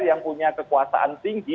yang punya kekuasaan tinggi